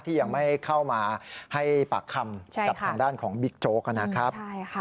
ยังไม่เข้ามาให้ปากคำกับทางด้านของบิ๊กโจ๊กนะครับ